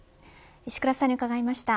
石倉さんに伺いました。